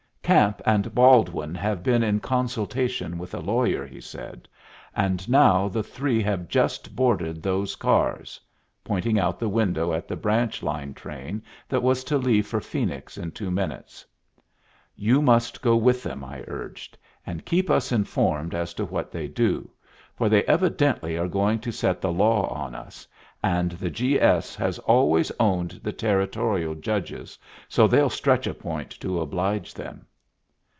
"Camp and Baldwin have been in consultation with a lawyer," he said, "and now the three have just boarded those cars," pointing out the window at the branch line train that was to leave for Phoenix in two minutes. "You must go with them," I urged, "and keep us informed as to what they do, for they evidently are going to set the law on us, and the G. S. has always owned the Territorial judges, so they'll stretch a point to oblige them."